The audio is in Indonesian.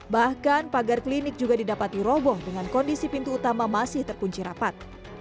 bahkan pagar klinik juga didapati roboh dengan kondisi pintu utama masih terkunci rapat